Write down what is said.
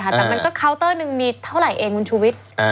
แต่มันเคานเตอร์นึงมีเท่าไหร่เองมึงชูวิต